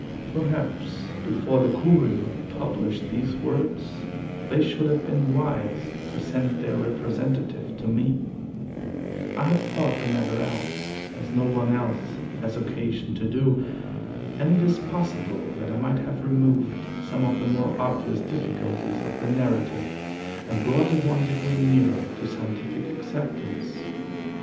Perhaps before the Courier published these words they would have been wise to send their representative to me. I have thought the matter out, as no one else has occasion to do, and it is possible that I might have removed some of the more obvious difficulties of the narrative and brought it one degree nearer to scientific acceptance.